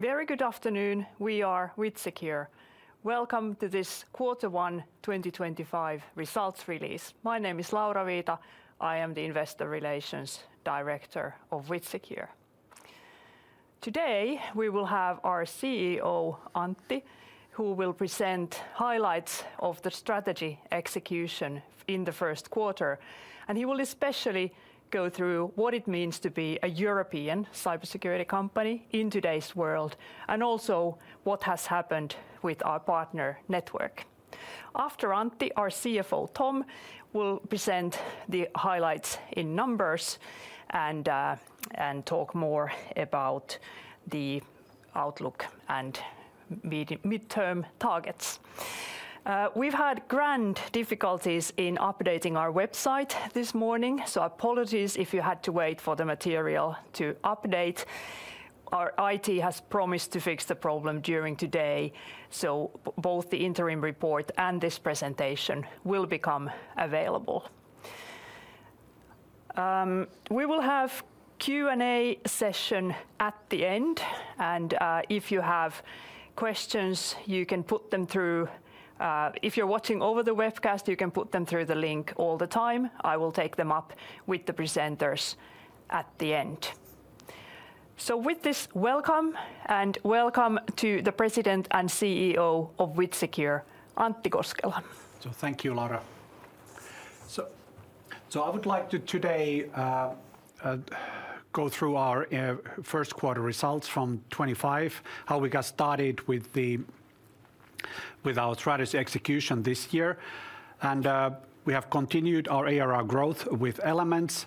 Very good afternoon. We are WithSecure. Welcome to this Q1 2025 results release. My name is Laura Viita. I am the Investor Relations Director of WithSecure. Today we will have our CEO, Antti, who will present highlights of the strategy execution in the Q1. He will especially go through what it means to be a European cybersecurity company in today's world, and also what has happened with our partner network. After Antti, our CFO, Tom, will present the highlights in numbers and talk more about the outlook and midterm targets. We've had grand difficulties in updating our website this morning, so apologies if you had to wait for the material to update. Our IT has promised to fix the problem during today, so both the interim report and this presentation will become available. We will have a Q&A session at the end, and if you have questions, you can put them through. If you're watching over the webcast, you can put them through the link all the time. I will take them up with the presenters at the end. With this, welcome, and welcome to the President and CEO of WithSecure, Antti Koskela. Thank you, Laura. I would like to today go through our Q1 results from 2025, how we got started with our strategy execution this year. We have continued our ARR growth with Elements,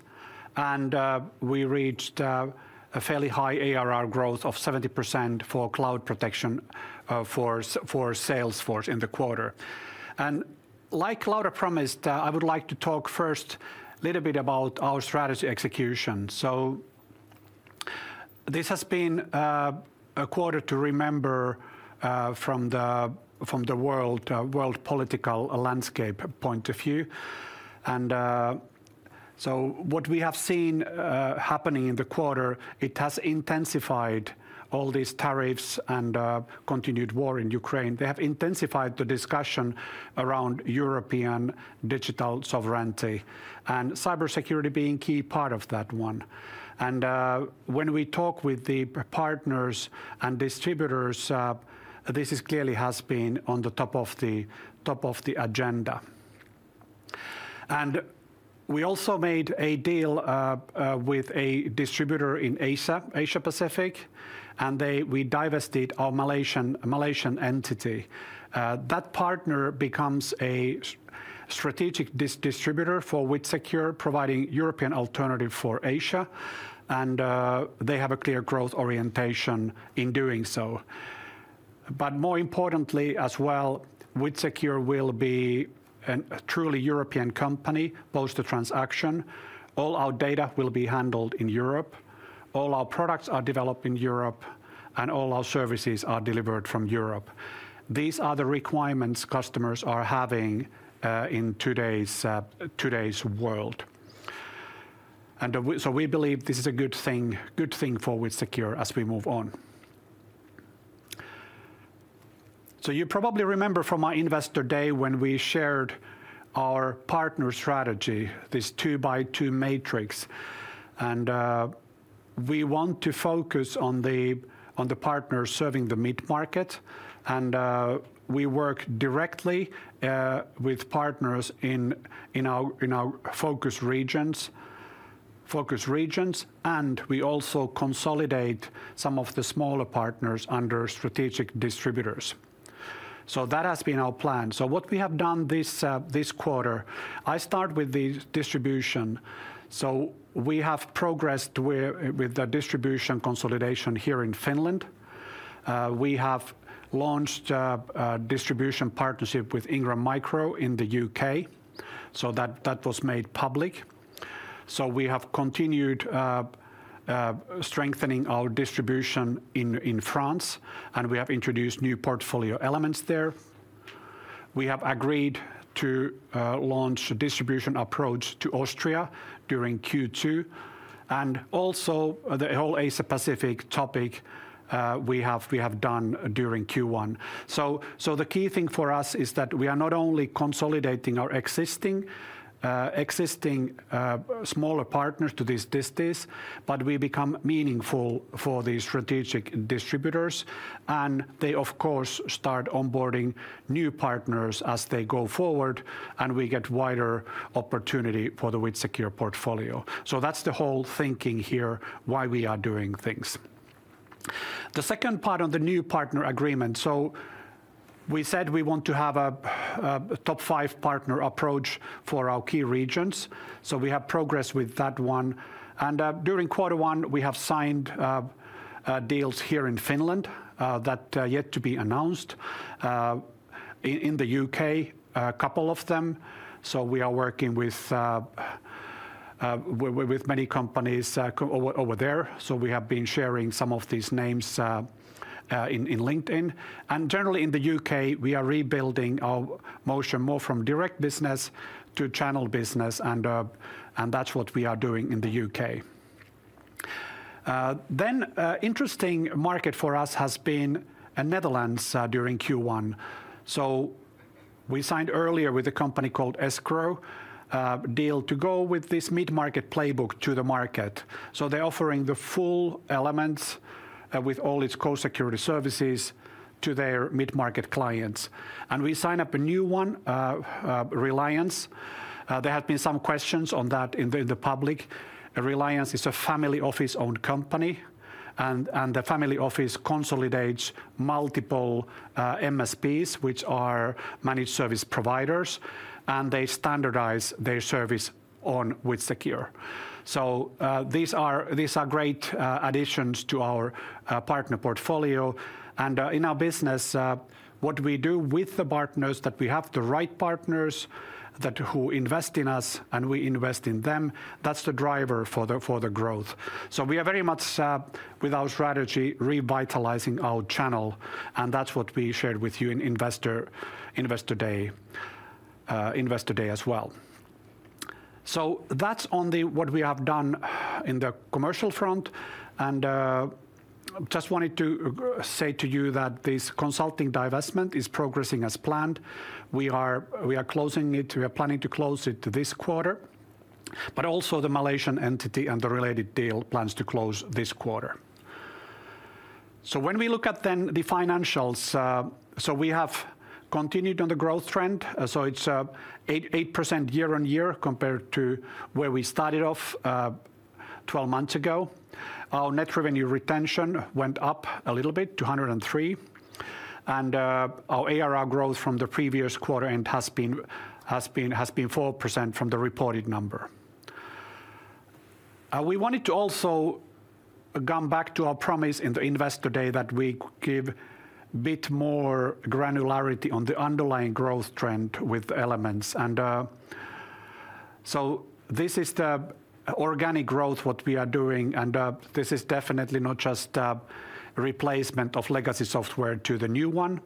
and we reached a fairly high ARR growth of 70% for Cloud Protection for Salesforce in the quarter. Like Laura promised, I would like to talk first a little bit about our strategy execution. This has been a quarter to remember from the world political landscape point of view. What we have seen happening in the quarter, it has intensified all these tariffs and continued war in Ukraine. They have intensified the discussion around European digital sovereignty and cybersecurity being a key part of that one. When we talk with the partners and distributors, this clearly has been on the top of the agenda. We also made a deal with a distributor in Asia-Pacific, and we divested our Malaysian entity. That partner becomes a strategic distributor for WithSecure, providing a European alternative for Asia, and they have a clear growth orientation in doing so. More importantly as well, WithSecure will be a truly European company post-transaction. All our data will be handled in Europe. All our products are developed in Europe, and all our services are delivered from Europe. These are the requirements customers are having in today's world. We believe this is a good thing for WithSecure as we move on. You probably remember from our Investor Day when we shared our partner strategy, this 2 by 2 matrix. We want to focus on the partners serving the mid-market, and we work directly with partners in our focus regions. We also consolidate some of the smaller partners under strategic distributors. That has been our plan. What we have done this quarter, I start with the distribution. We have progressed with the distribution consolidation here in Finland. We have launched a distribution partnership with Ingram Micro in the UK. That was made public. We have continued strengthening our distribution in France, and we have introduced new portfolio elements there. We have agreed to launch a distribution approach to Austria during Q2, and also the whole Asia-Pacific topic we have done during Q1. The key thing for us is that we are not only consolidating our existing smaller partners to this distance, but we become meaningful for these strategic distributors. They, of course, start onboarding new partners as they go forward, and we get wider opportunity for the WithSecure portfolio. That is the whole thinking here, why we are doing things. The second part of the new partner agreement, we said we want to have a top five partner approach for our key regions. We have progressed with that one. During Q1, we have signed deals here in Finland that are yet to be announced. In the UK., a couple of them. We are working with many companies over there. We have been sharing some of these names in LinkedIn. Generally in the UK, we are rebuilding our motion more from direct business to channel business, and that is what we are doing in the UK. An interesting market for us has been the Netherlands during Q1. We signed earlier with a company called Eshgro a deal to go with this mid-market playbook to the market. They're offering the full Elements with all its core security services to their mid-market clients. We signed up a new one, Reliance. There have been some questions on that in the public. Reliance is a family office-owned company, and the family office consolidates multiple MSPs, which are managed service providers, and they standardize their service on WithSecure. These are great additions to our partner portfolio. In our business, what we do with the partners is that we have the right partners who invest in us, and we invest in them. That's the driver for the growth. We are very much with our strategy revitalizing our channel, and that's what we shared with you on Investor Day as well. That's on what we have done in the commercial front. I just wanted to say to you that this consulting divestment is progressing as planned. We are closing it. We are planning to close it this quarter, but also the Malaysian entity and the related deal plans to close this quarter. When we look at then the financials, we have continued on the growth trend. It is 8% year on year compared to where we started off 12 months ago. Our net revenue retention went up a little bit to 103, and our ARR growth from the previous quarter end has been 4% from the reported number. We wanted to also come back to our promise in the Investor Day that we give a bit more granularity on the underlying growth trend with Elements. This is the organic growth what we are doing, and this is definitely not just a replacement of legacy software to the new one.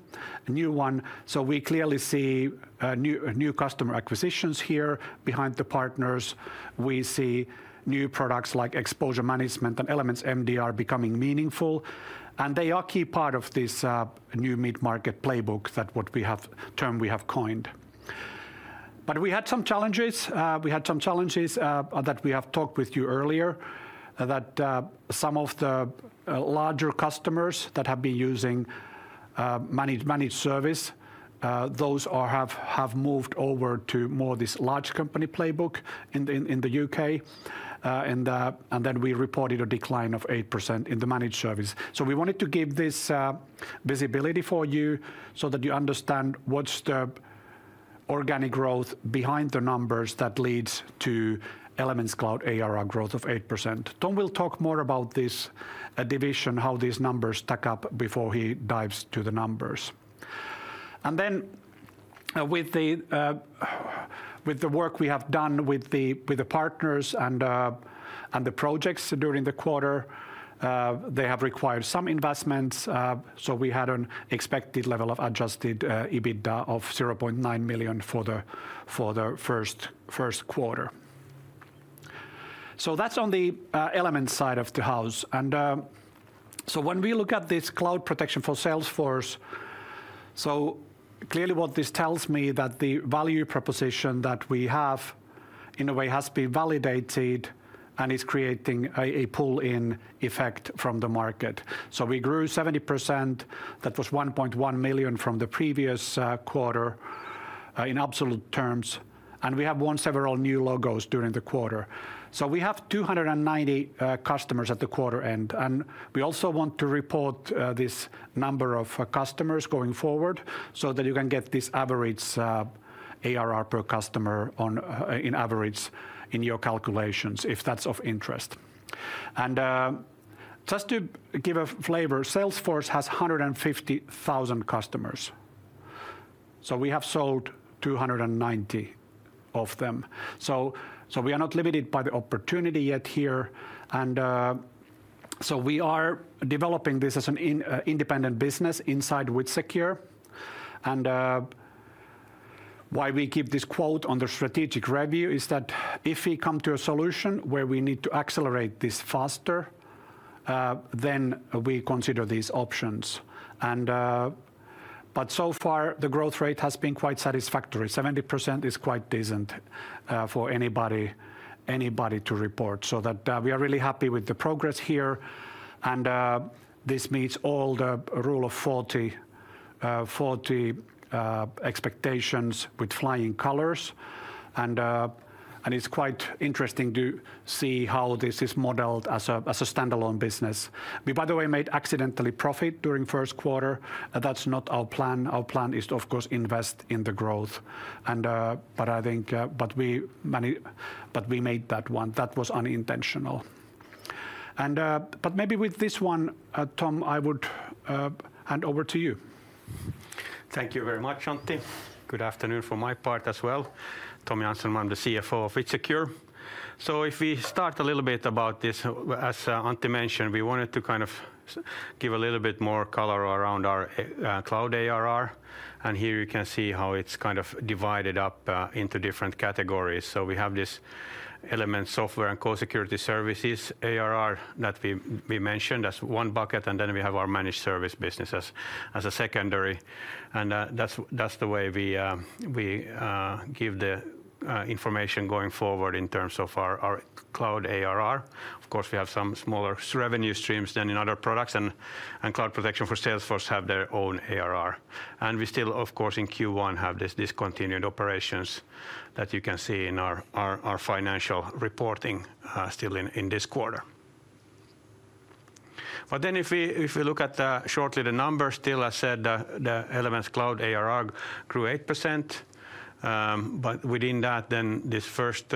We clearly see new customer acquisitions here behind the partners. We see new products like Exposure Management and Elements MDR becoming meaningful, and they are a key part of this new mid-market playbook, that term we have coined. We had some challenges. We had some challenges that we have talked with you earlier, that some of the larger customers that have been using managed service, those have moved over to more of this large company playbook in the U.K. We reported a decline of 8% in the managed service. We wanted to give this visibility for you so that you understand what's the organic growth behind the numbers that leads to Elements Cloud ARR growth of 8%. Tom will talk more about this division, how these numbers stack up before he dives to the numbers. With the work we have done with the partners and the projects during the quarter, they have required some investments. We had an expected level of adjusted EBITDA of 0.9 million for the Q1. That is on the Elements side of the house. When we look at this Cloud Protection for Salesforce, what this tells me is that the value proposition that we have in a way has been validated and is creating a pull-in effect from the market. We grew 70%. That was 1.1 million from the previous quarter in absolute terms. We have won several new logos during the quarter. We have 290 customers at the quarter end. We also want to report this number of customers going forward so that you can get this average ARR per customer in average in your calculations if that's of interest. Just to give a flavor, Salesforce has 150,000 customers. We have sold 290 of them. We are not limited by the opportunity yet here. We are developing this as an independent business inside WithSecure. The reason we give this quote on the strategic review is that if we come to a solution where we need to accelerate this faster, we consider these options. So far, the growth rate has been quite satisfactory. 70% is quite decent for anybody to report. We are really happy with the progress here. This meets all the Rule of 40 expectations with flying colors. It is quite interesting to see how this is modeled as a standalone business. We, by the way, made accidentally profit during the Q1. That is not our plan. Our plan is, of course, to invest in the growth. We made that one that was unintentional. Maybe with this one, Tom, I would hand over to you. Thank you very much, Antti. Good afternoon from my part as well. Tom Jansson, I'm the CFO of WithSecure. If we start a little bit about this, as Antti mentioned, we wanted to give a little bit more color around our cloud ARR. Here you can see how it's divided up into different categories. We have these Elements software and core security services ARR that we mentioned as one bucket, and then we have our managed service business as a secondary. That's the way we give the information going forward in terms of our Cloud ARR. Of course, we have some smaller revenue streams than in other products, and Cloud Protection for Salesforce have their own ARR. We still, of course, in Q1 have these discontinued operations that you can see in our financial reporting still in this quarter. If we look at the numbers still, as I said, the Elements Cloud ARR grew 8%. Within that, this first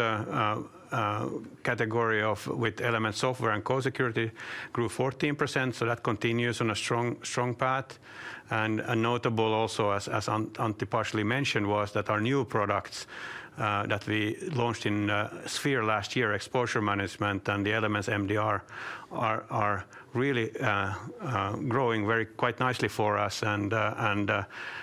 category of Elements software and core security grew 14%. That continues on a strong path. Notable also, as Antti partially mentioned, was that our new products that we launched in SPHERE last year, Exposure Management and the Elements MDR, are really growing quite nicely for us.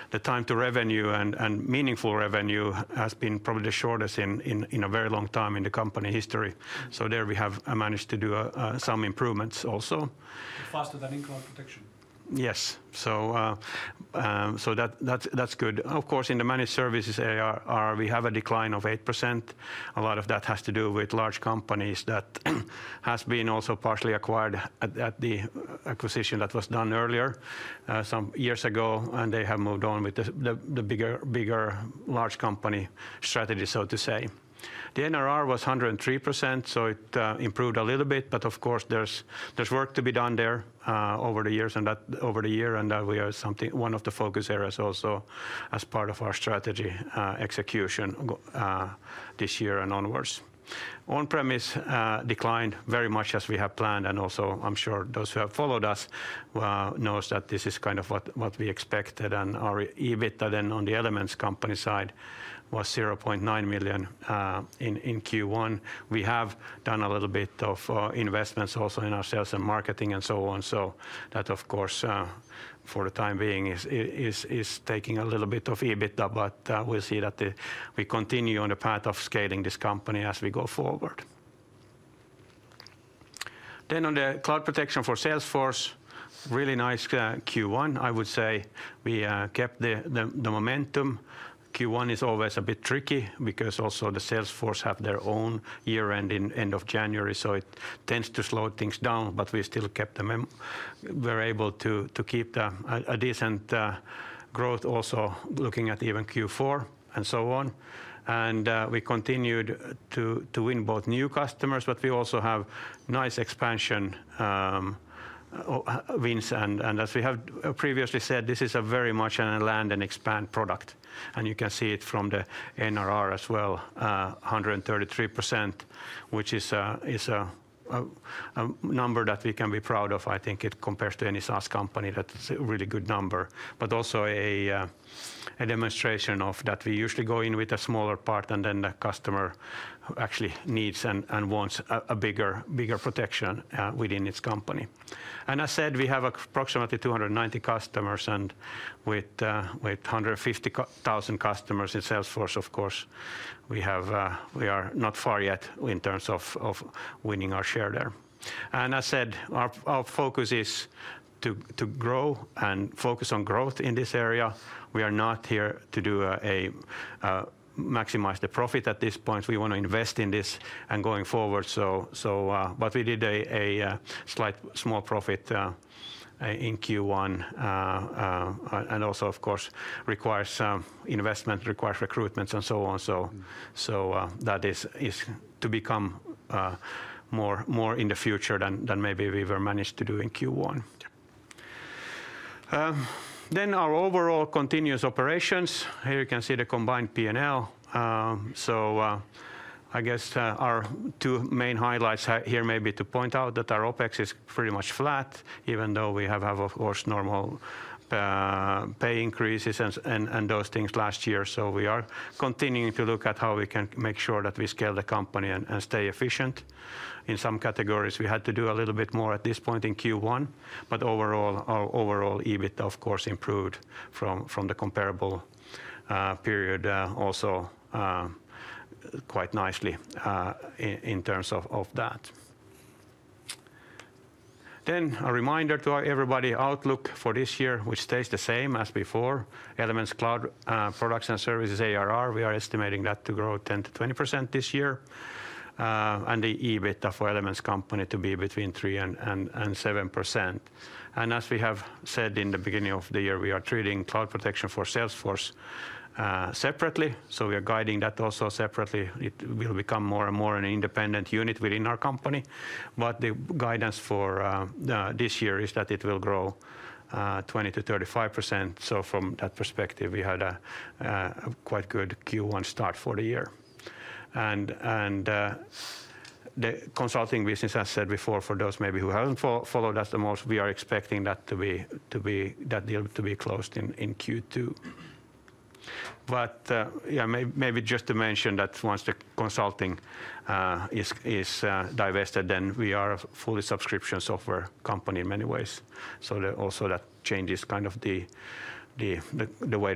The time to revenue and meaningful revenue has been probably the shortest in a very long time in the company history. There we have managed to do some improvements also. Faster than Ingram Micro Protection. Yes. That's good. Of course, in the managed services ARR, we have a decline of 8%. A lot of that has to do with large companies that have been also partially acquired at the acquisition that was done earlier some years ago, and they have moved on with the bigger large company strategy, so to say. The NRR was 103%, so it improved a little bit, but of course, there's work to be done there over the year, and that is one of the focus areas also as part of our strategy execution this year and onwards. On-premise declined very much as we have planned, and also I'm sure those who have followed us know that this is what we expected. Our EBITDA then on the Elements company side was 0.9 million in Q1. We have done a little bit of investments also in our sales and marketing and so on. That, of course, for the time being is taking a little bit of EBITDA, but we'll see that we continue on the path of scaling this company as we go forward. On the Cloud Protection for Salesforce, really nice Q1, I would say. We kept the momentum. Q1 is always a bit tricky because also Salesforce have their own year-end in end of January, so it tends to slow things down, but we still kept them. We're able to keep a decent growth also looking at even Q4 and so on. We continued to win both new customers, but we also have nice expansion wins. As we have previously said, this is very much a land and expand product, and you can see it from the NRR as well, 133%, which is a number that we can be proud of. I think it compares to any SaaS company, that's a really good number, but also a demonstration of that we usually go in with a smaller part and then the customer actually needs and wants a bigger protection within its company. As I said, we have approximately 290 customers, and with 150,000 customers in Salesforce, of course, we are not far yet in terms of winning our share there. As I said, our focus is to grow and focus on growth in this area. We are not here to maximize the profit at this point. We want to invest in this and going forward. We did a slight small profit in Q1 and also, of course, requires investment, requires recruitments and so on. That is to become more in the future than maybe we were managed to do in Q1. Our overall continuous operations, here you can see the combined P&L. I guess our two main highlights here may be to point out that our OpEx is pretty much flat, even though we have, of course, normal pay increases and those things last year. We are continuing to look at how we can make sure that we scale the company and stay efficient. In some categories, we had to do a little bit more at this point in Q1, but overall, our overall EBITDA, of course, improved from the comparable period also quite nicely in terms of that. A reminder to everybody, outlook for this year, which stays the same as before, Elements Cloud products and services ARR, we are estimating that to grow 10% to 20% this year and the EBITDA for Elements company to be between 3% and 7%. As we have said in the beginning of the year, we are treating Cloud Protection for Salesforce separately. We are guiding that also separately. It will become more and more an independent unit within our company. The guidance for this year is that it will grow 20% to 35%. From that perspective, we had a quite good Q1 start for the year. The consulting business, as I said before, for those maybe who have not followed us the most, we are expecting that deal to be closed in Q2. Maybe just to mention that once the consulting is divested, then we are a fully subscription software company in many ways. That changes the way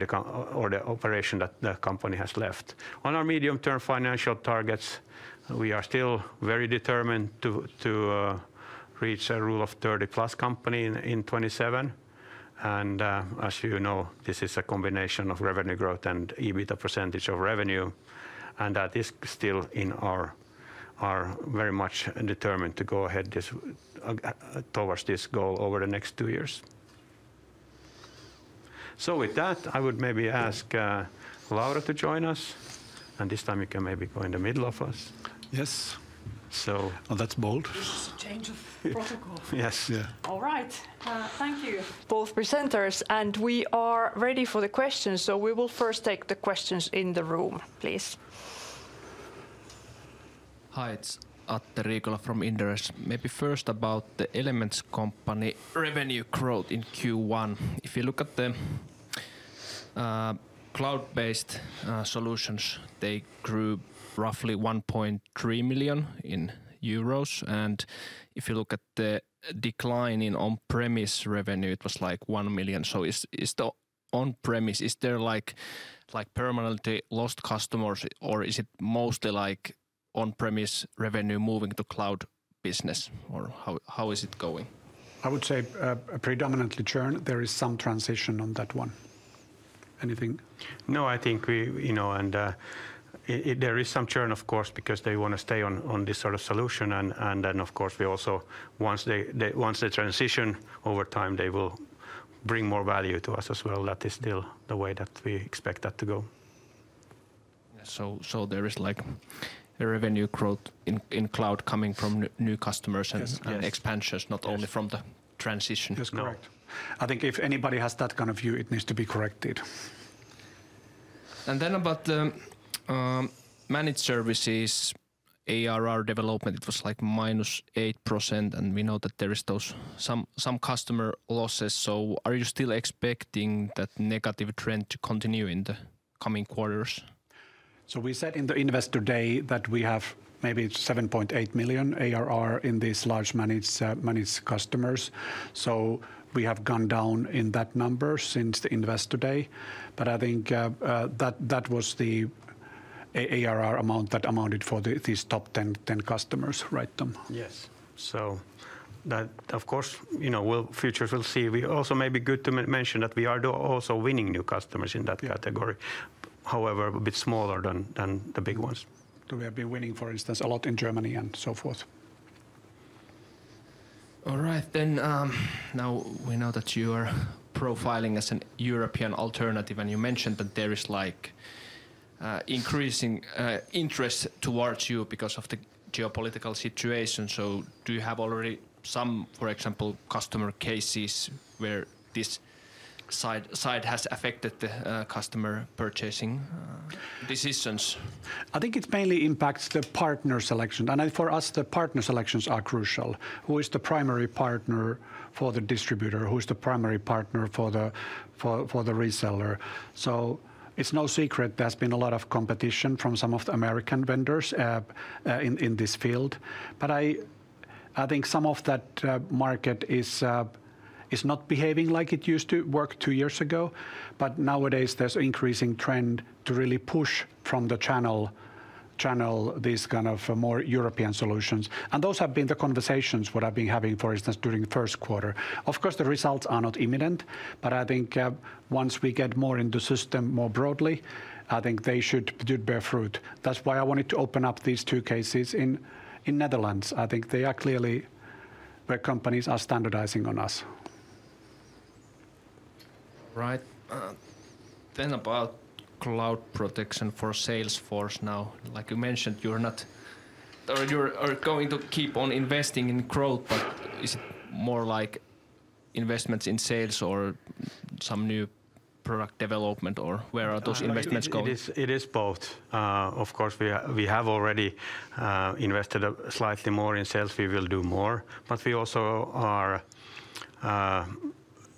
or the operation that the company has left. On our medium-term financial targets, we are still very determined to reach a rule of 30+ company in 2027. As you know, this is a combination of revenue growth and EBITDA % of revenue. That is still in our very much determined to go ahead towards this goal over the next two years. With that, I would maybe ask Laura to join us. This time you can maybe go in the middle of us. Yes. Well, that's bold. This is a change of protocol. Yes. All right. Thank you, both presenters. We are ready for the questions. We will first take the questions in the room, please. Hi, it's Atte Riikola from Inderes. Maybe first about the Elements company revenue growth in Q1. If you look at the cloud-based solutions, they grew roughly 1.3 million euros. If you look at the decline in on-premise revenue, it was like 1 million. Is the on-premise, is there like permanently lost customers or is it mostly like on-premise revenue moving to cloud business or how is it going? I would say predominantly churn. There is some transition on that one. Anything? No, I think and there is some churn, of course, because they want to stay on this solution. Of course, once the transition over time, they will bring more value to us as well. That is still the way that we expect that to go. There is like a revenue growth in cloud coming from new customers and expansions, not only from the transition. That's correct. I think if anybody has that kind of view, it needs to be corrected. About the managed services, ARR development, it was like -8% and we know that there is some customer losses. Are you still expecting that negative trend to continue in the coming quarters? We said in the Investor Day that we have maybe 7.8 million ARR in these large managed customers. We have gone down in that number since the investor day. I think that was the ARR amount that amounted for these top 10 customers, right, Tom? Yes. That, of course, futures will see. We also may be good to mention that we are also winning new customers in that category. However, a bit smaller than the big ones. We have been winning, for instance, a lot in Germany and so forth. All right. Now we know that you are profiling as a European alternative and you mentioned that there is increasing interest towards you because of the geopolitical situation. Do you have already some, for example, customer cases where this side has affected the customer purchasing decisions? I think it mainly impacts the partner selection. For us, the partner selections are crucial. Who is the primary partner for the distributor? Who is the primary partner for the reseller? It is no secret there has been a lot of competition from some of the American vendors in this field. I think some of that market is not behaving like it used to work two years ago. Nowadays, there is an increasing trend to push from the channel these more European solutions. Those have been the conversations I have been having, for instance, during Q1. Of course, the results are not imminent, but I think once we get more in the system more broadly, they should bear fruit. That is why I wanted to open up these two cases in Netherlands. I think they are clearly where companies are standardizing on us. All right. Then about Cloud Protection for Salesforce now. Like you mentioned, you are not or you are going to keep on investing in growth, but is it more like investments in sales or some new product development or where are those investments going? It is both. Of course, we have already invested slightly more in sales. We will do more. We also are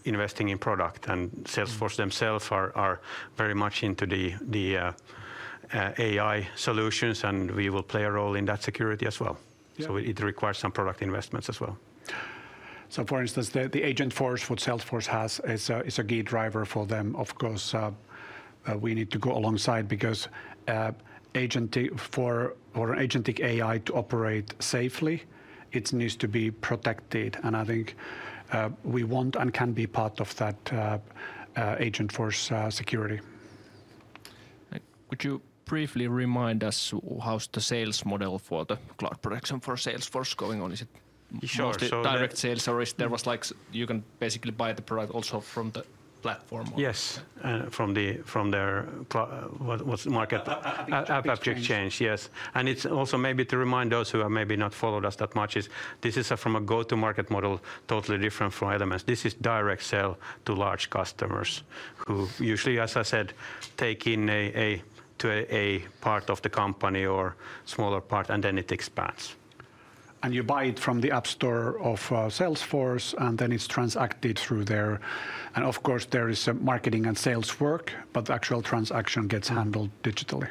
investing in product and Salesforce themselves are very much into the AI solutions and we will play a role in that security as well. It requires some product investments as well. For instance, the Agentforce that Salesforce has is a key driver for them. Of course, we need to go alongside because for agentic AI to operate safely, it needs to be protected. I think we want and can be part of that Agentforce security. Would you briefly remind us how's the sales model for the Cloud Protection for Salesforce going on? Is it mostly direct sales or there was like you can basically buy the product also from the platform? Yes. From their AppExchange, yes. It is also maybe to remind those who have maybe not followed us that much that this is from a go-to-market model totally different from Elements. This is direct sale to large customers who usually, as I said, take in a part of the company or smaller part and then it expands. You buy it from the App Store of Salesforce and then it is transacted through there. Of course, there is marketing and sales work, but the actual transaction gets handled digitally.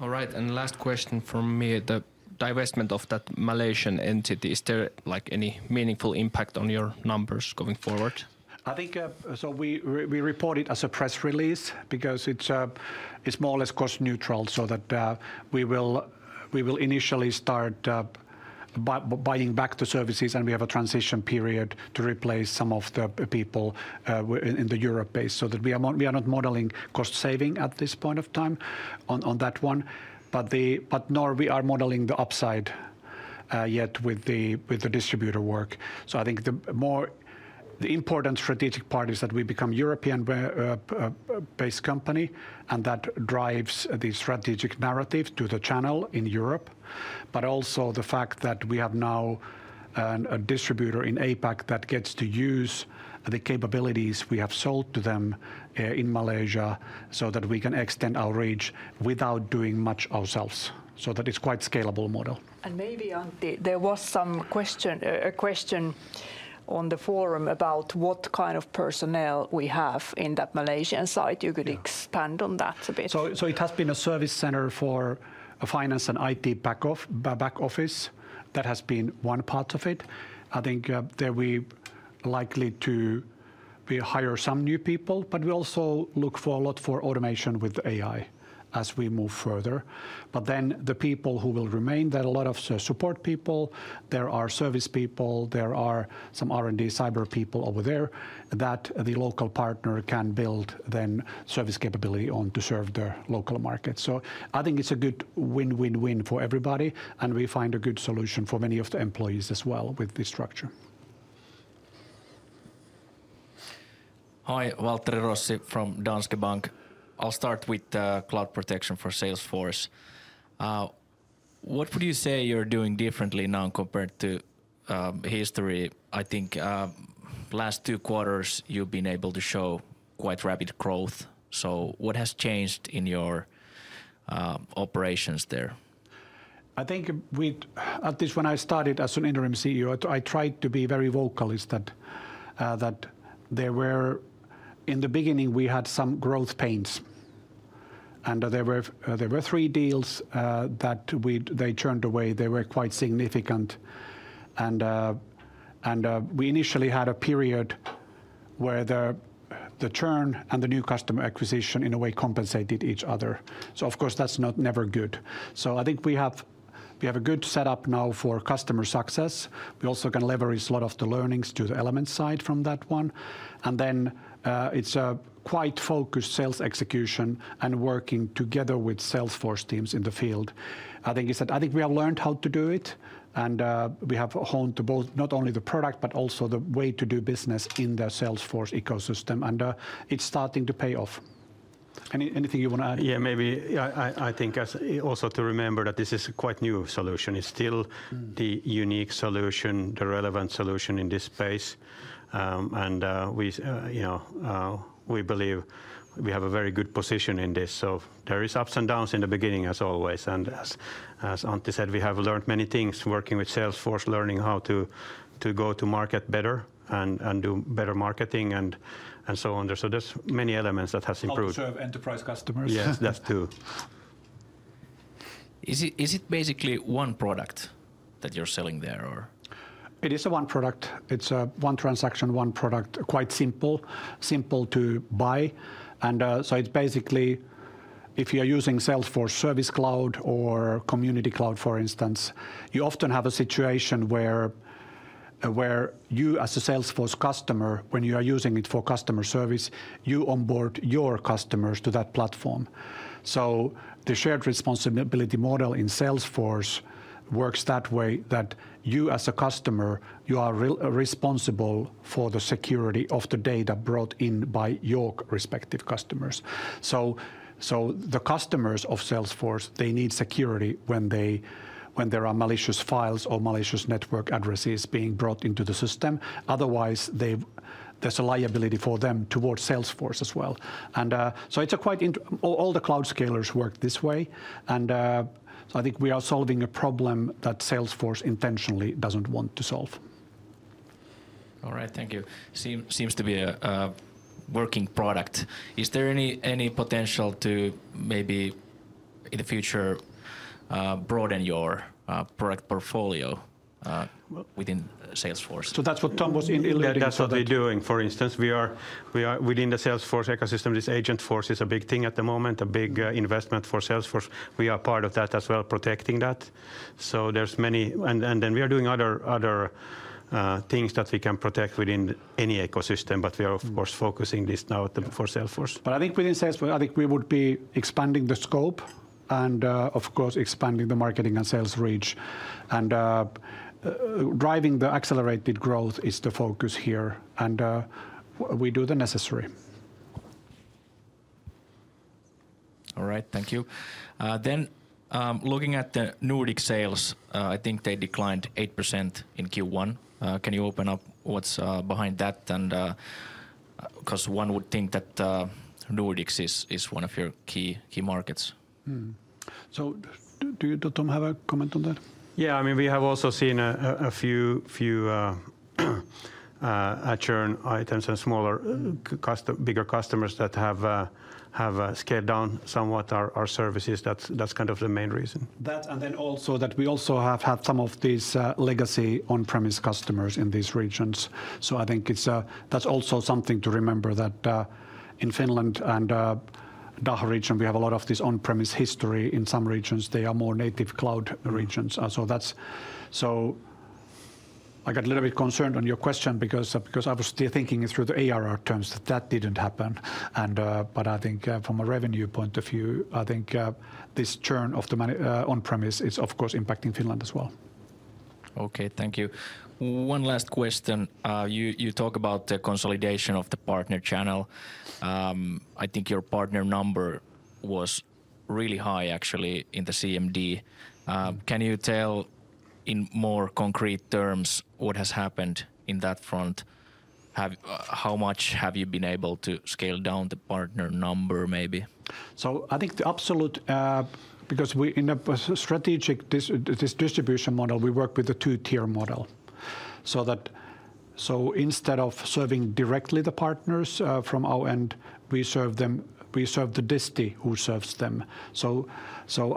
All right. Last question from me, the divestment of that Malaysian entity, is there like any meaningful impact on your numbers going forward? I think we report it as a press release because it's more or less cost neutral, so that we will initially start buying back the services and we have a transition period to replace some of the people in the Europe base, so that we are not modeling cost saving at this point of time on that one. Nor are we modeling the upside yet with the distributor work. I think the more important strategic part is that we become a European-based company and that drives the strategic narrative to the channel in Europe. Also, the fact that we have now a distributor in APAC that gets to use the capabilities we have sold to them in Malaysia so that we can extend our reach without doing much ourselves. That is quite a scalable model. There was some question on the forum about what personnel we have in that Malaysian site. You could expand on that a bit. It has been a service center for finance and IT back office that has been one part of it. I think that we are likely to hire some new people, but we also look a lot for automation with AI as we move further. The people who will remain, there are a lot of support people, there are service people, there are some R&D cyber people over there that the local partner can build service capability on to serve the local market. I think it is a good win-win-win for everybody and we find a good solution for many of the employees as well with this structure. Hi, Waltteri Rossi from Danske Bank. I'll start with Cloud Protection for Salesforce. What would you say you're doing differently now compared to history? I think last two quarters you've been able to show quite rapid growth. What has changed in your operations there? I think at least when I started as an interim CEO, I tried to be very vocal that there were in the beginning we had some growth pains and there were three deals that they churned away. They were quite significant. We initially had a period where the churn and the new customer acquisition in a way compensated each other. Of course, that's never good. I think we have a good setup now for customer success. We also can leverage a lot of the learnings to the Elements side from that one. It is a quite focused sales execution and working together with Salesforce teams in the field. I think we have learned how to do it and we have honed to both not only the product but also the way to do business in the Salesforce ecosystem. It is starting to pay off. Anything you want to add? Yeah, maybe I think also to remember that this is quite new solution. It's still the unique solution, the relevant solution in this space. We believe we have a very good position in this. There are ups and downs in the beginning as always. As Antti said, we have learned many things working with Salesforce, learning how to go to market better and do better marketing and so on. There are many elements that have improved. Also enterprise customers. Yes, that's true. Is it basically one product that you're selling there or? It is a one product. It's a one transaction, one product, quite simple, simple to buy. It is basically if you're using Salesforce Service Cloud or Community Cloud, for instance, you often have a situation where you as a Salesforce customer, when you are using it for customer service, you onboard your customers to that platform. The shared responsibility model in Salesforce works that way that you as a customer, you are responsible for the security of the data brought in by your respective customers. The customers of Salesforce, they need security when there are malicious files or malicious network addresses being brought into the system. Otherwise, there's a liability for them towards Salesforce as well. It is quite all the cloud scalers work this way. I think we are solving a problem that Salesforce intentionally doesn't want to solve. All right, thank you. Seems to be a working product. Is there any potential to maybe in the future broaden your product portfolio within Salesforce? That is what Tom was in earlier. That's what we're doing. For instance, we are within the Salesforce ecosystem. This Agentforce is a big thing at the moment, a big investment for Salesforce. We are part of that as well, protecting that. There are many, and then we are doing other things that we can protect within any ecosystem, but we are of course focusing this now for Salesforce. I think within Salesforce, I think we would be expanding the scope and of course expanding the marketing and sales reach and driving the accelerated growth is the focus here. We do the necessary. All right, thank you. Looking at the Nordic sales, I think they declined 8% in Q1. Can you open up what's behind that? Because one would think that Nordics is one of your key markets. Do you, Tom, have a comment on that? Yeah, I mean we have also seen a few churn items and smaller, bigger customers that have scaled down somewhat our services. That's the main reason. That's and then also that we also have had some of these legacy on-premise customers in these regions. I think that's also something to remember that in Finland and DACH region, we have a lot of this on-premise history. In some regions, they are more native cloud regions. I got a little bit concerned on your question because I was still thinking it through the ARR terms that that did not happen. I think from a revenue point of view, I think this churn of the on-premise is of course impacting Finland as well. Okay, thank you. One last question. You talk about the consolidation of the partner channel. I think your partner number was really high actually in the CMD. Can you tell in more concrete terms what has happened in that front? How much have you been able to scale down the partner number maybe? I think the absolute because in a strategic distribution model, we work with a two-tier model. Instead of serving directly the partners from our end, we serve the [disty] who serves them.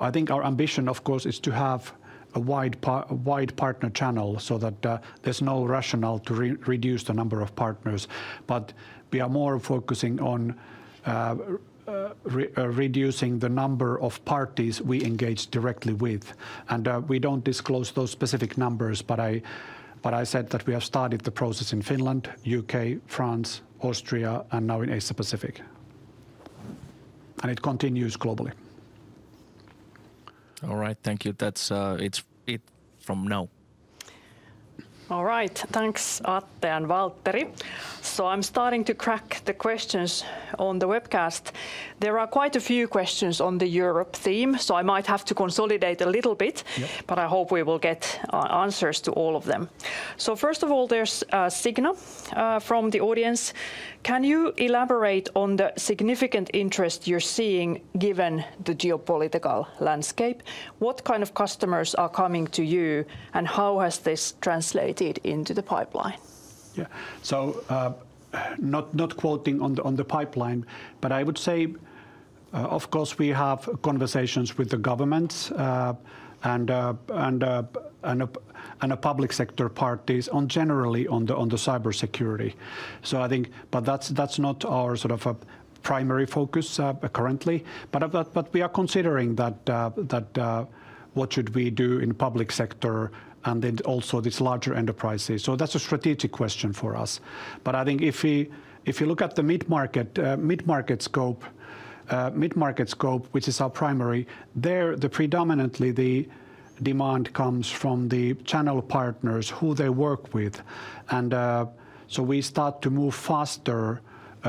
I think our ambition, of course, is to have a wide partner channel so that there's no rationale to reduce the number of partners. We are more focusing on reducing the number of parties we engage directly with. We don't disclose those specific numbers, but I said that we have started the process in Finland, UK, France, Austria, and now in Asia-Pacific. It continues globally. All right, thank you. That's it from now. All right, thanks Atte and Waltteri. I am starting to crack the questions on the webcast. There are quite a few questions on the Europe theme, so I might have to consolidate a little bit, but I hope we will get answers to all of them. First of all, there is Signa from the audience. Can you elaborate on the significant interest you are seeing given the geopolitical landscape? What customers are coming to you and how has this translated into the pipeline? Yeah, so not quoting on the pipeline, but I would say of course we have conversations with the governments and the public sector parties generally on the cybersecurity. I think, but that's not our primary focus currently. We are considering that what should we do in public sector and then also these larger enterprises. That's a strategic question for us. I think if you look at the mid-market scope, mid-market scope, which is our primary, there predominantly the demand comes from the channel partners who they work with. We start to move faster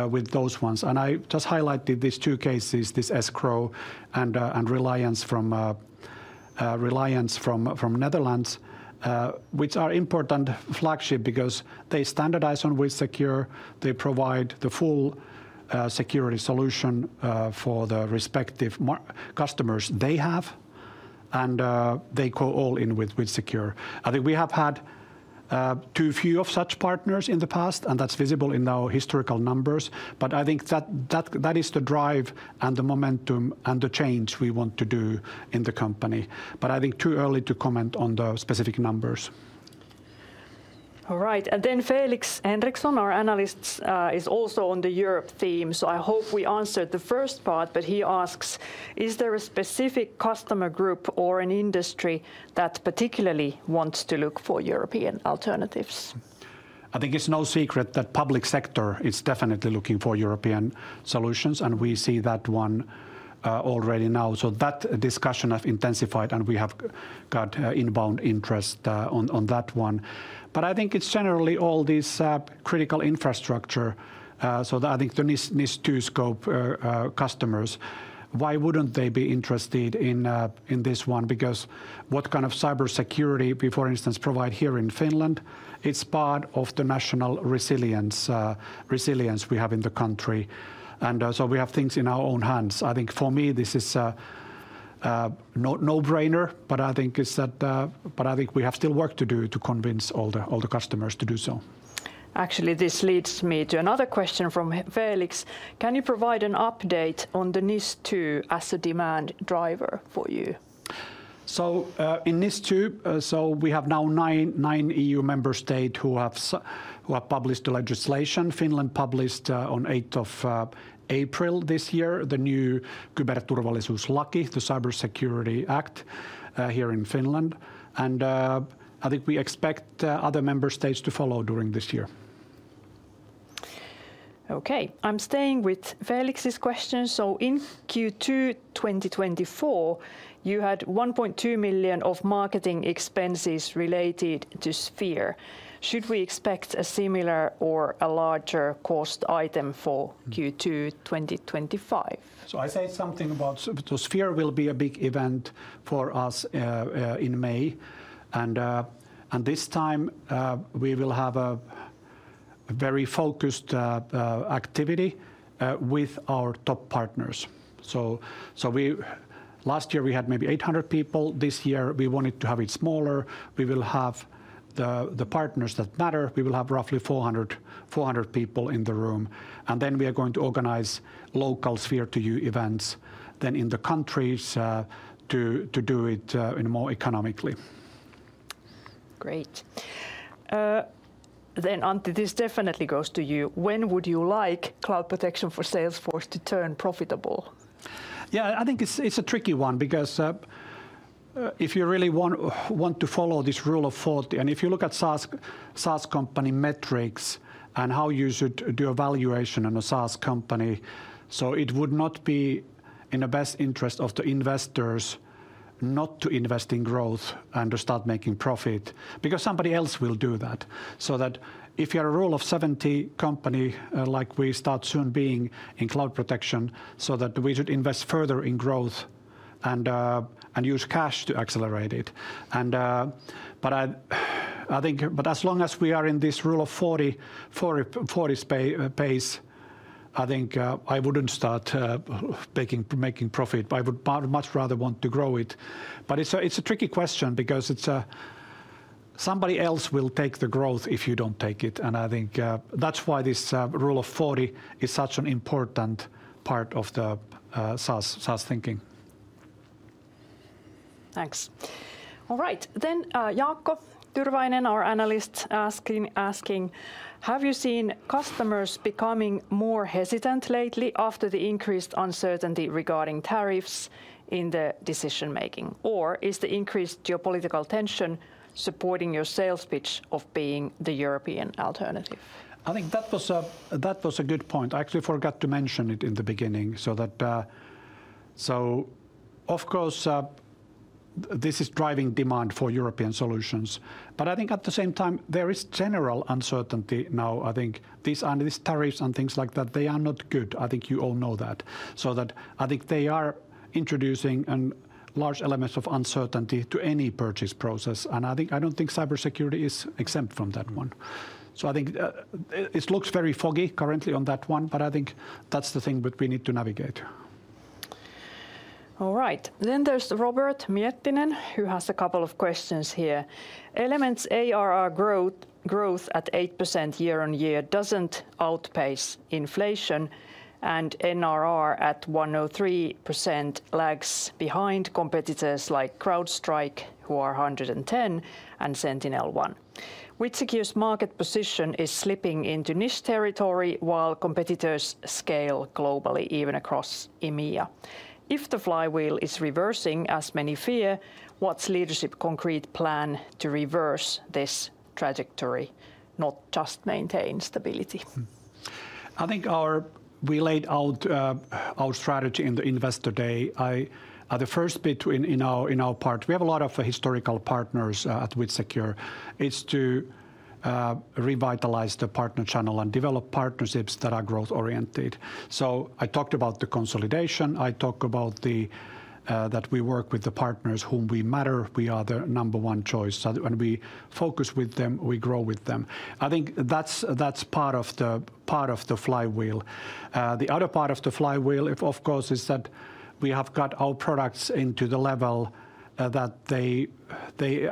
with those ones. I just highlighted these two cases, this Eshgro and Reliance from Netherlands, which are an important flagship because they standardize on WithSecure. They provide the full security solution for the respective customers they have. They go all in with WithSecure. I think we have had too few of such partners in the past and that's visible in our historical numbers. I think that is the drive, and the momentum, and the change we want to do in the company. I think too early to comment on the specific numbers. All right. Felix Henriksson, our analyst, is also on the Europe theme. I hope we answered the first part, but he asks, is there a specific customer group or an industry that particularly wants to look for European alternatives? I think it's no secret that the public sector is definitely looking for European solutions and we see that one already now. That discussion has intensified and we have got inbound interest on that one. I think it's generally all this critical infrastructure. I think the NIS2 scope customers, why wouldn't they be interested in this one? Because what cybersecurity for instance, provide here in Finland, it's part of the national resilience we have in the country. We have things in our own hands. I think for me this is a no-brainer, but I think we have still work to do to convince all the customers to do so. Actually, this leads me to another question from Felix. Can you provide an update on the NIS2 as a demand driver for you? In NIS2, we have now nine EU member states who have published the legislation. Finland published on 8th of April this year the new Kyberturvallisuuslaki, the Cybersecurity Act here in Finland. I think we expect other member states to follow during this year. Okay, I'm staying with Felix's question. In Q2 2024, you had 1.2 million of marketing expenses related to SPHERE. Should we expect a similar or a larger cost item for Q2 2025? I said something about SPHERE. SPHERE will be a big event for us in May. This time we will have a very focused activity with our top partners. Last year we had maybe 800 people. This year we wanted to have it smaller. We will have the partners that matter. We will have roughly 400 people in the room. We are going to organize local SPHERE2YOU events in the countries to do it more economically. Great. Antti, this definitely goes to you. When would you like Cloud Protection for Salesforce to turn profitable? Yeah, I think it's a tricky one because if you really want to follow this rule of thought, and if you look at SaaS company metrics and how you should do evaluation on a SaaS company, it would not be in the best interest of the investors not to invest in growth and to start making profit because somebody else will do that. If you have a rule of 70 company like we start soon being in cloud protection, we should invest further in growth and use cash to accelerate it. As long as we are in this Rule of 40 pace, I think I wouldn't start making profit. I would much rather want to grow it. It's a tricky question because somebody else will take the growth if you don't take it. I think that's why this Rule of 40 is such an important part of the SaaS thinking. Thanks. All right, then Jaakko Tyrväinen, our analyst, asking, have you seen customers becoming more hesitant lately after the increased uncertainty regarding tariffs in the decision-making? Or is the increased geopolitical tension supporting your sales pitch of being the European alternative? I think that was a good point. I actually forgot to mention it in the beginning. Of course this is driving demand for European solutions. I think at the same time there is general uncertainty now. I think these tariffs and things like that, they are not good. I think you all know that. I think they are introducing large elements of uncertainty to any purchase process. I do not think cybersecurity is exempt from that one. I think it looks very foggy currently on that one, but I think that is the thing that we need to navigate. All right. There is Robert Miettinen, who has a couple of questions here. Elements ARR growth at 8% year on year does not outpace inflation, and NRR at 103% lags behind competitors like CrowdStrike who are 110 and SentinelOne. WithSecure's market position is slipping into niche territory while competitors scale globally even across EMEA. If the flywheel is reversing as many fear, what is the leadership's concrete plan to reverse this trajectory, not just maintain stability? I think we laid out our strategy in the Investor Day. The first bit in our part, we have a lot of historical partners at WithSecure, is to revitalize the partner channel and develop partnerships that are growth-oriented. I talked about the consolidation. I talked about that we work with the partners whom we matter. We are their number one choice. When we focus with them, we grow with them. I think that's part of the flywheel. The other part of the flywheel, of course, is that we have got our products into the level that they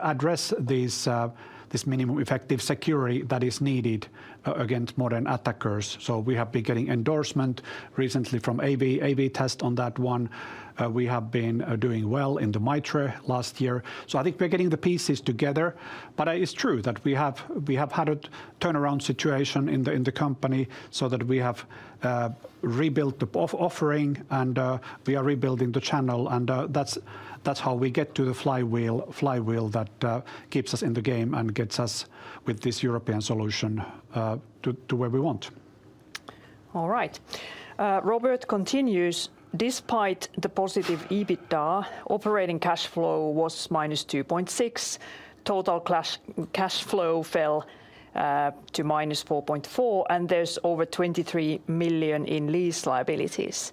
address this minimum effective security that is needed against modern attackers. We have been getting endorsement recently from AV-TEST on that one. We have been doing well in the MITRE last year. I think we're getting the pieces together. It is true that we have had a turnaround situation in the company so that we have rebuilt the offering and we are rebuilding the channel. That is how we get to the flywheel that keeps us in the game and gets us with this European solution to where we want. All right. Robert continues. Despite the positive EBITDA, operating cash flow was -2.6 million. Total cash flow fell to -4.4 million. There is over 23 million in lease liabilities.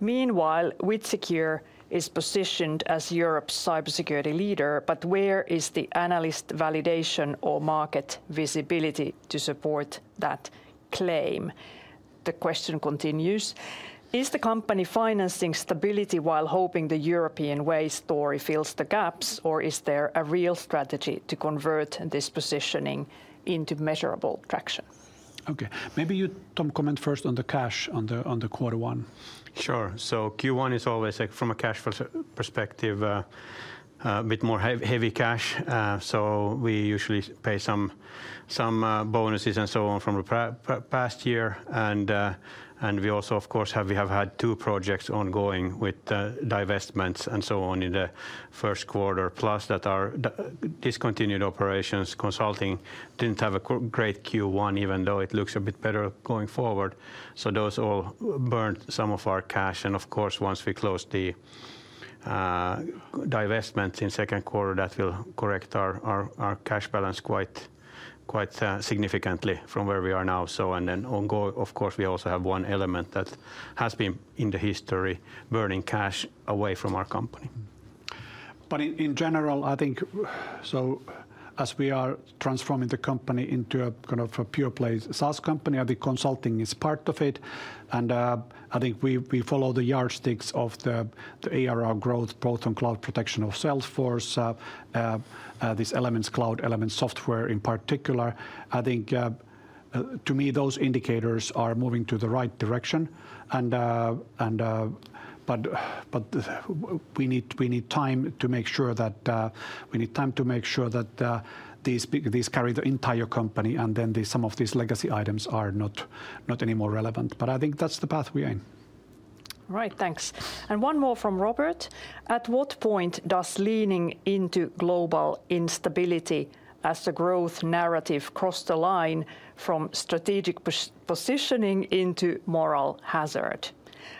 Meanwhile, WithSecure is positioned as Europe's cybersecurity leader. Where is the analyst validation or market visibility to support that claim? The question continues. Is the company financing stability while hoping the European way story fills the gaps? Or is there a real strategy to convert this positioning into measurable traction? Okay, maybe you, Tom, comment first on the cash on the Q1. Sure. Q1 is always from a cash perspective, a bit more heavy cash. We usually pay some bonuses and so on from the past year. We also, of course, have had two projects ongoing with divestments and so on in the Q1, plus that are discontinued operations. Consulting did not have a great Q1, even though it looks a bit better going forward. Those all burned some of our cash. Of course, once we close the divestments in Q2, that will correct our cash balance quite significantly from where we are now. We also have one element that has been in the history, burning cash away from our company. In general, I think, as we are transforming the company into a kind of a pure play SaaS company, I think consulting is part of it. I think we follow the yardsticks of the ARR growth, both on Cloud Protection for Salesforce, this Elements Cloud element software in particular. I think to me those indicators are moving to the right direction. We need time to make sure that we need time to make sure that these carry the entire company and then some of these legacy items are not any more relevant. I think that's the path we're in. All right, thanks. One more from Robert. At what point does leaning into global instability as the growth narrative cross the line from strategic positioning into moral hazard?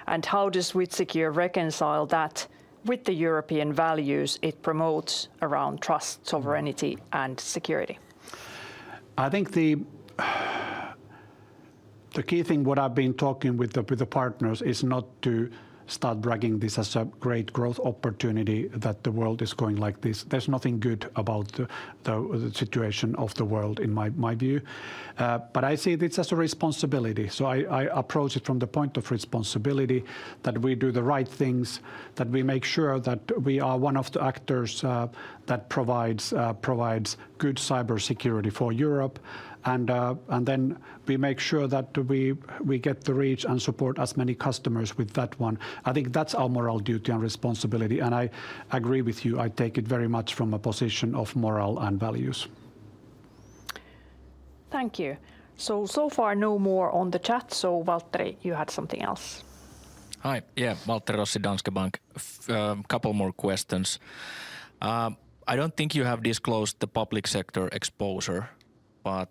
How does WithSecure reconcile that with the European values it promotes around trust, sovereignty, and security? I think the key thing what I've been talking with the partners is not to start bragging this as a great growth opportunity that the world is going like this. There's nothing good about the situation of the world in my view. I see this as a responsibility. I approach it from the point of responsibility that we do the right things, that we make sure that we are one of the actors that provides good cybersecurity for Europe. We make sure that we get to reach and support as many customers with that one. I think that's our moral duty and responsibility. I agree with you. I take it very much from a position of moral and values. Thank you. So far no more on the chat. Waltteri, you had something else. Hi, yeah, Waltteri Rossi Danske Bank. A couple of more questions. I do not think you have disclosed the public sector exposure, but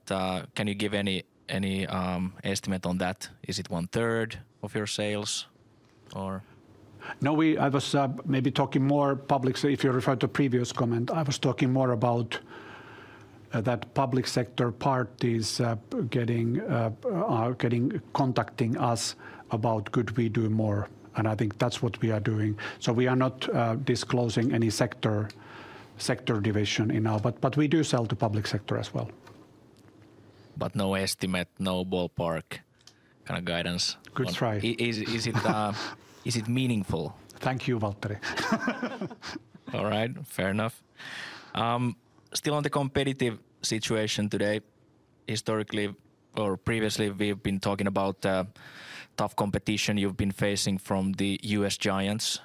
can you give any estimate on that? Is it one third of your sales or? If you refer to the previous comment, I was talking more about that public sector parties getting contacting us about could we do more. I think that's what we are doing. We are not disclosing any sector division in our, but we do sell to the public sector as well. No estimate, no ballpark guidance. Good try. Is it meaningful? Thank you, Waltteri. All right, fair enough. Still on the competitive situation today, historically or previously we've been talking about the tough competition you've been facing from the US giants.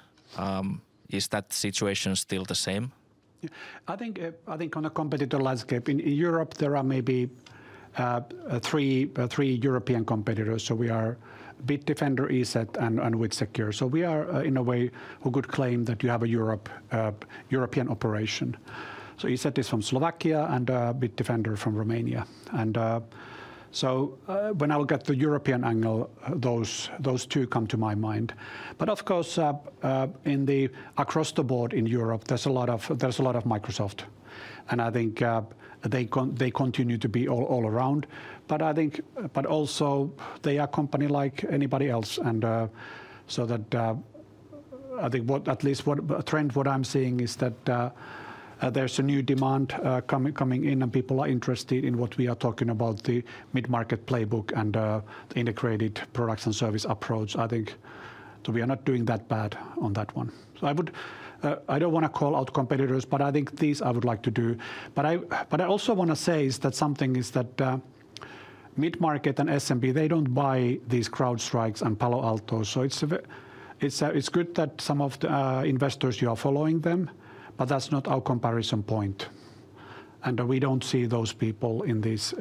Is that situation still the same? I think on a competitor landscape in Europe, there are maybe three European competitors. We are Bitdefender, ESET, and WithSecure. We are in a way who could claim that you have a European operation. ESET is from Slovakia and Bitdefender from Romania. When I look at the European angle, those two come to my mind. Of course, across the board in Europe, there is a lot of Microsoft. I think they continue to be all around. I think also they are a company like anybody else. At least what trend I am seeing is that there is a new demand coming in and people are interested in what we are talking about, the mid-market playbook and the integrated products and service approach. I think that we are not doing that bad on that one. I do not want to call out competitors, but I think these I would like to do. I also want to say is that the mid-market and SMB, they do not buy these CrowdStrike's and Palo Alto's. It is good that some of the investors are following them, but that is not our comparison point. We do not see those people in these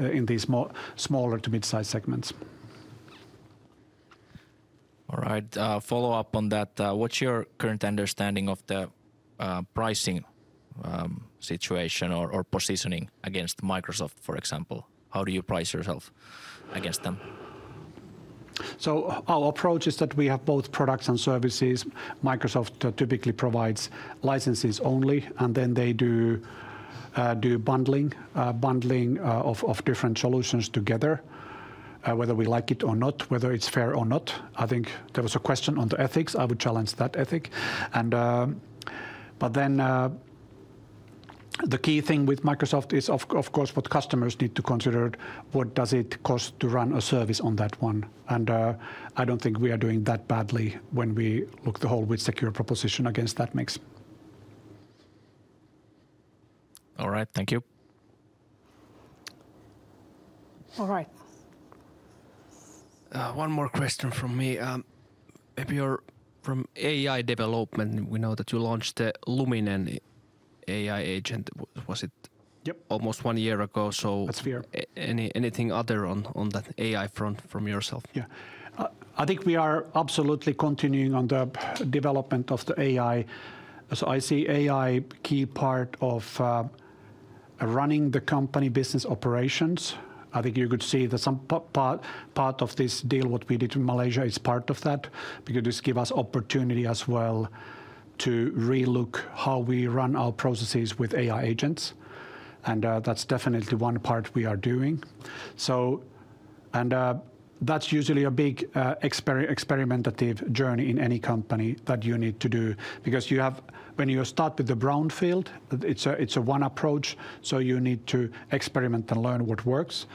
smaller to mid-size segments. All right, follow up on that. What's your current understanding of the pricing situation or positioning against Microsoft, for example? How do you price yourself against them? Our approach is that we have both products and services. Microsoft typically provides licenses only, and then they do bundling of different solutions together, whether we like it or not, whether it is fair or not. I think there was a question on the ethics. I would challenge that ethic. The key thing with Microsoft is, of course, what customers need to consider, what does it cost to run a service on that one? I do not think we are doing that badly when we look at the whole WithSecure proposition against that mix. All right, thank you. All right. One more question from me. If you are from AI development, we know that you launched the Luminen AI agent, was it almost one year ago? That's fair. Anything other on that AI front from yourself? Yeah. I think we are absolutely continuing on the development of the AI. I see AI key part of running the company business operations. I think you could see that some part of this deal what we did in Malaysia is part of that. This gives us opportunity as well to re-look how we run our processes with AI agents. That's definitely one part we are doing. That's usually a big experimentative journey in any company that you need to do. When you start with the brownfield, it's a one approach. You need to experiment and learn what works.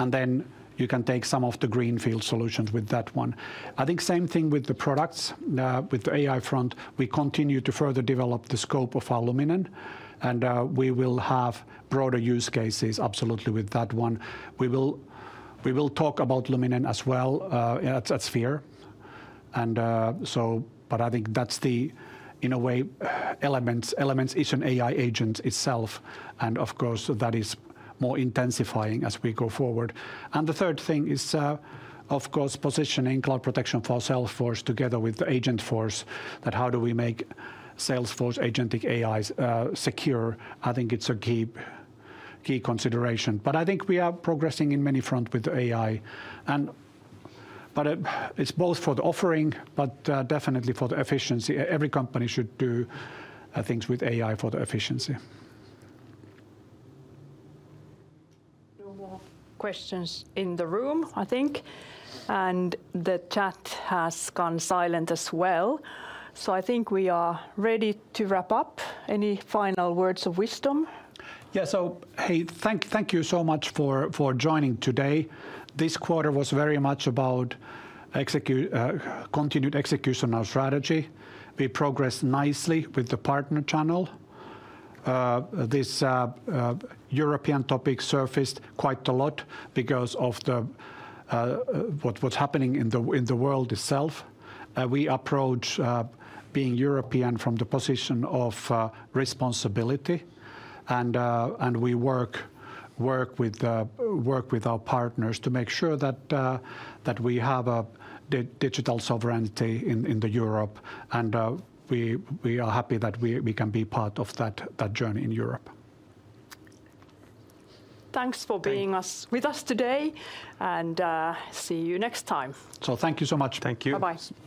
You can take some of the greenfield solutions with that one. I think same thing with the products, with the AI front, we continue to further develop the scope of our Luminen. We will have broader use cases absolutely with that one. We will talk about Luminen as well. That's fair. I think that, in a way, Elements is an AI agent itself. Of course, that is more intensifying as we go forward. The third thing is, of course, positioning Cloud Protection for Salesforce together with the Agentforce. How do we make Salesforce agentic AI secure? I think it's a key consideration. I think we are progressing in many fronts with the AI. It's both for the offering, but definitely for the efficiency. Every company should do things with AI for the efficiency. No more questions in the room, I think. The chat has gone silent as well. I think we are ready to wrap up. Any final words of wisdom? Yeah. Hey, thank you so much for joining today. This quarter was very much about continued execution of strategy. We progressed nicely with the partner channel. This European topic surfaced quite a lot because of what's happening in the world itself. We approach being European from the position of responsibility. We work with our partners to make sure that we have digital sovereignty in Europe. We are happy that we can be part of that journey in Europe. Thanks for being with us today. See you next time. Thank you so much. Thank you. Bye-bye.